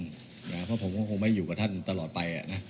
เพราะผมก็คงไม่อยู่กับท่านตลอดไปนะ